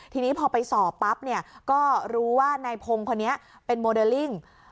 ทีนี้พอไปสอบปั๊บเนี่ยก็รู้ว่านายพงศ์คนนี้เป็นโมเดลลิ่ง